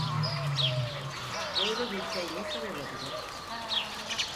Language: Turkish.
Böyle bir şey nasıl olabilir?